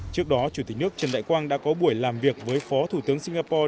trước đó chủ tịch nước trần đại quang đã có buổi làm việc với phó thủ tướng singapore